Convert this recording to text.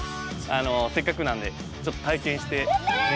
せっかくなんでちょっと体験してみますか。